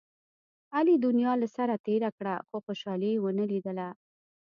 علي دنیا له سره تېره کړه، خو خوشحالي یې و نه لیدله.